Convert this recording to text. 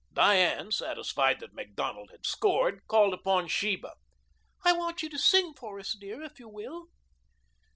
Diane, satisfied that Macdonald had scored, called upon Sheba. "I want you to sing for us, dear, if you will."